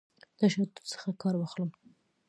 تشدد څخه کار واخلم.